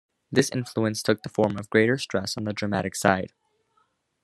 This influence took the form of greater stress on the dramatic side.